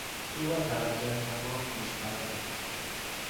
او با توجه تمام گوش فرا داد.